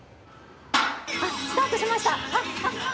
スタートしました！